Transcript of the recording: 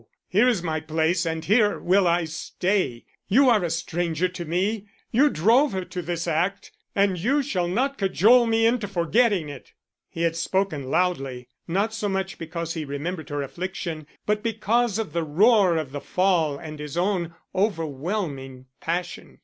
Here is my place and here will I stay. You are a stranger to me! You drove her to this act, and you shall not cajole me into forgetting it." He had spoken loudly; not so much because he remembered her affliction, but because of the roar of the fall and his own overwhelming passion.